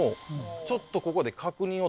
ちょっとここで。